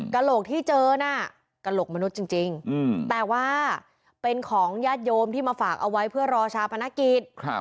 กระโหลกที่เจอน่ะกระโหลกมนุษย์จริงแต่ว่าเป็นของญาติโยมที่มาฝากเอาไว้เพื่อรอชาปนกิจ